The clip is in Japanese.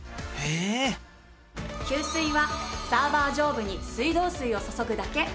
給水はサーバー上部に水道水を注ぐだけ。